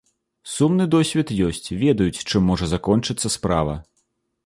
Сумны досвед ёсць, ведаюць, чым можа закончыцца справа.